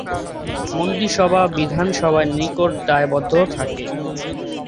মন্ত্রিসভা বিধানসভার নিকট দায়বদ্ধ থাকে।